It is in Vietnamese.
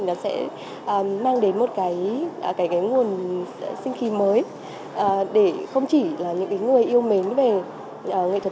nó sẽ mang đến một cái nguồn sinh khí mới để không chỉ là những người yêu mến về nghệ thuật